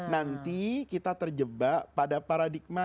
nanti kita terjebak pada paradigma